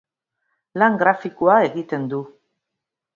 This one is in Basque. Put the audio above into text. Lan grafikoa egiten du.